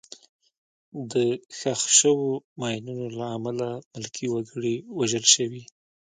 د ښخ شوو ماینونو له امله ملکي وګړي وژل شوي.